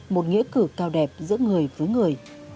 một nghĩa cử cao đẹp giữa người với người